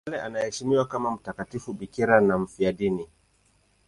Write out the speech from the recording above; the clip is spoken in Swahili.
Tangu kale anaheshimiwa kama mtakatifu bikira na mfiadini.